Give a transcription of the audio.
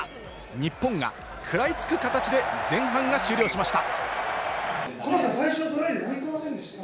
日本が食らいつく形で前半が終了しました。